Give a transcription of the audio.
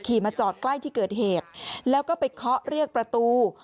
มาจอดใกล้ที่เกิดเหตุแล้วก็ไปเคาะเรียกประตู